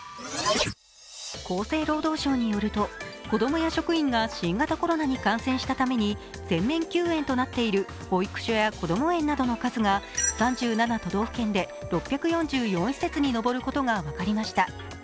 厚生労働省によると、子供や職員が新型コロナに感染したために全面休園となっている保育所やこども園などの数が３７都道府県で６４４施設にのぼることが分かりました。